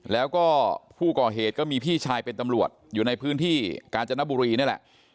แล้วก็ผู้ก่อเหตุก็มีพี่ชายเป็นตำรวจอยู่ในพื้นที่กาญจนบุรีนี่แหละ